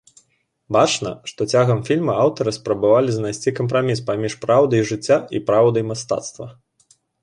Бачна, што цягам фільма аўтары спрабавалі знайсці кампраміс паміж праўдай жыцця і праўдай мастацтва.